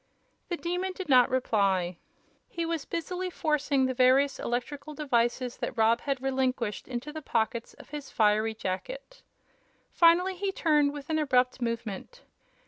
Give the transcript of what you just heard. The Demon did not reply. He was busily forcing the various electrical devices that Rob had relinquished into the pockets of his fiery jacket. Finally he turned with an abrupt movement.